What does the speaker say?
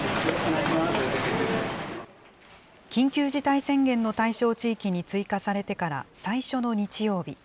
緊急事態宣言の対象地域に追加されてから最初の日曜日。